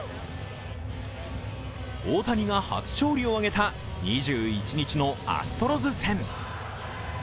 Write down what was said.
大谷が初勝利を挙げた２１日のアストロズ戦。